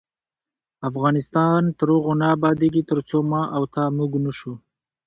افغانستان تر هغو نه ابادیږي، ترڅو ما او تا "موږ" نشو.